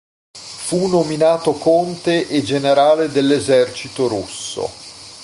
Fu nominato conte e generale dell'esercito russo.